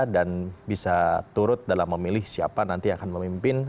dan bisa turut dalam memilih siapa nanti akan memimpin